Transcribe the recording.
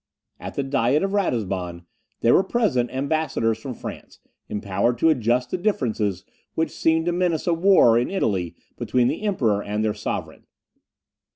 At the Diet at Ratisbon, there were present ambassadors from France, empowered to adjust the differences which seemed to menace a war in Italy between the Emperor and their sovereign.